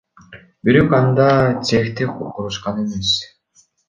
Бирок анда цехти курушкан эмес.